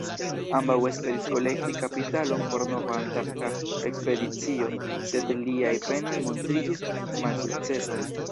Ambaŭ esperis kolekti kapitalon por nova antarkta ekspedicio, sed liaj penoj montriĝis malsukcesaj.